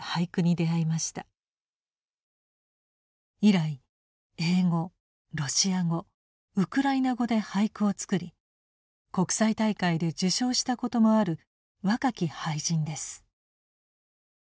以来英語ロシア語ウクライナ語で俳句を作り国際大会で受賞したこともある若き俳人です。